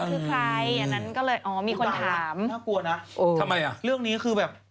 น่ากลัวนะเรื่องนี้คือแบบ